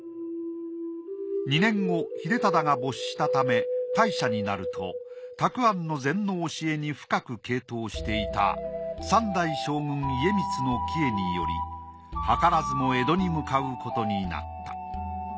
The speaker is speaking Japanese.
２年後秀忠が没したため大赦になると沢庵の禅の教えに深く傾倒していた３代将軍家光の帰依によりはからずも江戸に向かうことになった。